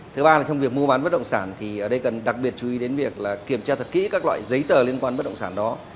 thứ ba là trong việc mua bán bất động sản thì ở đây cần đặc biệt chú ý đến việc kiểm tra thật kỹ các loại giấy tờ liên quan bất động sản đó